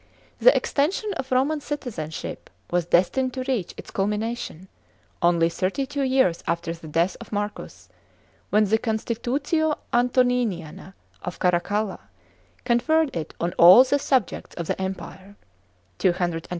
The extension of Roman citizenship was destined to reach its culmina tion, only thirty two years after tt.e death of Marcus, wheu the Constitutio Antoniniana of Caracalla conferred it on all the suojects nf the Empire (212 A.D.).